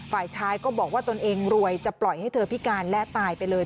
ฝ่ายชายก็บอกว่าตนเองรวยจะปล่อยให้เธอพิการและตายไปเลย